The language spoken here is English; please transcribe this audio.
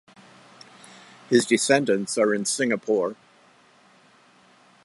His descendants are in Singapore.